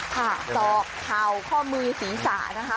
ค่ะต่อข่าวข้อมือศีรษะนะครับ